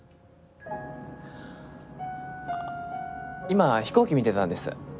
今飛行機見てたんです。